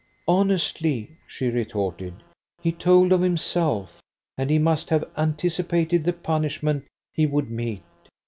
"Honestly," she retorted. "He told of himself: and he must have anticipated the punishment he would meet.